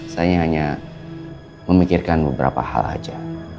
saya hanya memikirkan beberapa hal saja